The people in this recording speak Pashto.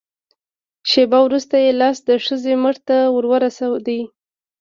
شېبه وروسته يې لاس د ښځې مټ ته ور ورسېد.